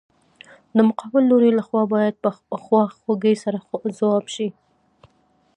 د مقابل لوري له خوا باید په خواخوږۍ سره ځواب شي.